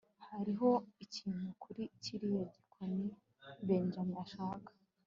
hariho ikintu kuri kiriya gikoni benjamin ashaka